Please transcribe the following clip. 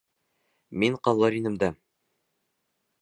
Мин ҡалыр инем дә...